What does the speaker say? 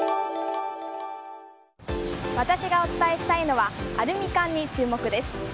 私がお伝えしたいのはアルミ缶に注目です。